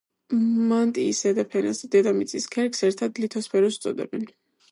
მანტიის ზედა ფენას და დედამიწის ქერქს ერთად ლითოსფეროს უწოდებენ.